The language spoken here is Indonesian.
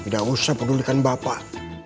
gak usah pedulikan bapak